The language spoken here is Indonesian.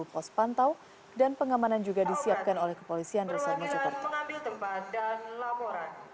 dua puluh pos pantau dan pengamanan juga disiapkan oleh kepolisian resan mojokerto